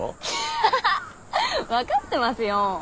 アッハハハ分かってますよー。